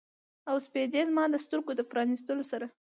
او سپیدې زما د سترګو د پرانیستلو سره